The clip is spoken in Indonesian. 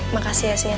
makasih ya sin